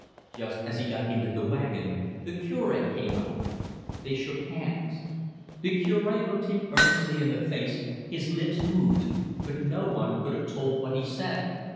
Just as he got into the wagon the Cure came up. They shook hands. The Cure looked him earnestly in the face, his lips moved, but no one could have told what he said.